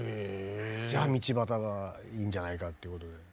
じゃあ道端がいいんじゃないかっていうことで。